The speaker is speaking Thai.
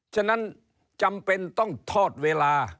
ฉะนั้นจำเป็นต้องทอดเวลา